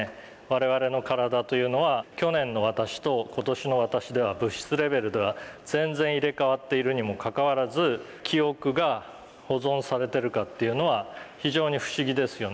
我々の体というのは去年の私と今年の私では物質レベルでは全然入れ替わっているにもかかわらず記憶が保存されてるかというのは非常に不思議ですよね。